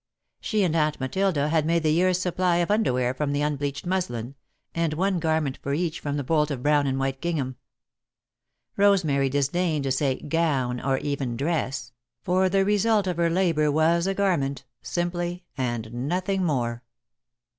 She and Aunt Matilda had made the year's supply of underwear from the unbleached muslin, and one garment for each from the bolt of brown and white gingham. Rosemary disdained to say "gown" or even "dress," for the result of her labour was a garment, simply, and nothing more.